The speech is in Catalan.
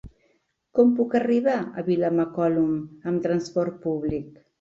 Com puc arribar a Vilamacolum amb trasport públic?